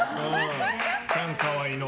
チャンカワイの。